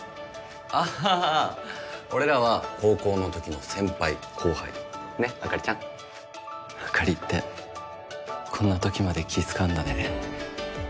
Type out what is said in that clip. あ俺らは高校のときの先輩後輩ねっあかりちゃんあかりってこんなときまで気使うんだね